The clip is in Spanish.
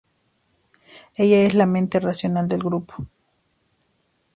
Ella es la mente racional del grupo.